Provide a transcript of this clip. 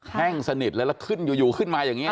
แห้งสนิทเลยแล้วขึ้นอยู่ขึ้นมาอย่างนี้